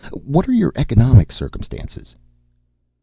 "What are your economic circumstances?"